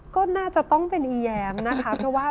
ก็น่าจะต้องเป็นอีแย้มนะคะเพราะว่า